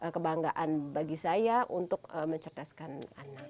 kebanggaan bagi saya untuk mencerdaskan anak